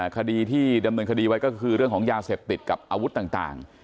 คดีที่ดำเนินคดีไว้ก็คือเรื่องของยาเสพติดกับอาวุธต่าง